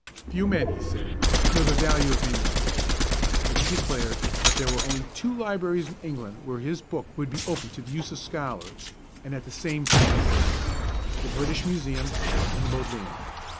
Few men, he said, know the value of manuscripts; and he declared that there were only two libraries in England where his book would be open to the use of scholars and at the same time safe, the British Museum and the Bodleian.